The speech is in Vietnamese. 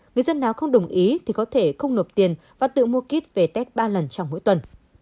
người dân nào không đồng ý thì có thể không nộp tiền và tự mua kit về tết ba lần trong mỗi tuần